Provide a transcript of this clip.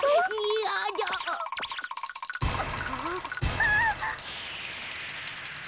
あっ！